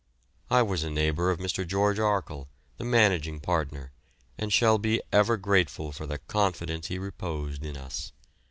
I was a neighbour of Mr. Geo. Arkle, the managing partner, and shall be ever grateful for the confidence he reposed in us.